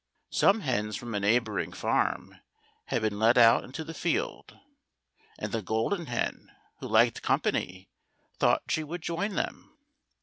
Some hens from a neighbouring farm had been let o\it into the field, and the Golden Hen, who liked company, thought she would join them.